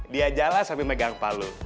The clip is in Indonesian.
dia jalan sambil megang palu